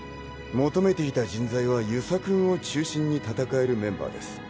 求めていた人材は遊佐君を中心に戦えるメンバーです。